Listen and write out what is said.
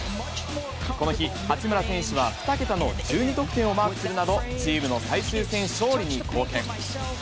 この日、八村選手は２桁の１２得点をマークするなど、チームの最終戦勝利に貢献。